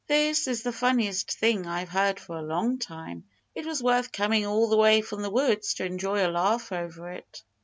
"This is the funniest thing I've heard for a long time. It was worth coming all the way from the woods to enjoy a laugh over it."